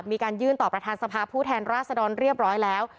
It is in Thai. มีการยื่นต่อประธานสภาผู้แทนราษดรเรียบร้อยแล้ว